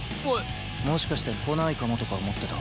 もしかして来ないかもとか思ってた？